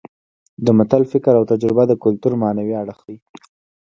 د متل فکر او تجربه د کولتور معنوي اړخ دی